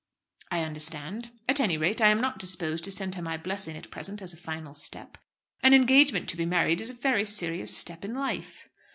"I understand. At any rate I am not disposed to send her my blessing at present as a final step. An engagement to be married is a very serious step in life."